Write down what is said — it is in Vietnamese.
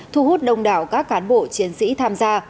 thu hút đông đảo các cán bộ chiến sĩ tham gia